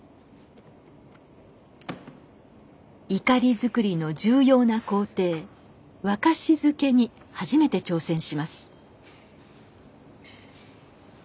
錨づくりの重要な工程沸かしづけに初めて挑戦します。